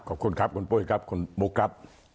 ขอบคุณครับคุณปุ้ยครับคุณบุ๊คครับ